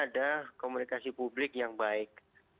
ada komunikasi publik yang baik